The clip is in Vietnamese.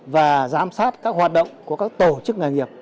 và giám sát các hoạt động của các tổ chức nghề nghiệp